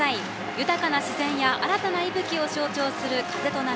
豊かな自然や新たな息吹を象徴する風と波。